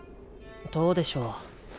どうでしょう？